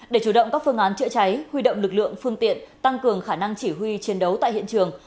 để chủ động các phương án chữa cháy huy động lực lượng phương tiện tăng cường khả năng chỉ huy chiến đấu tại hiện trường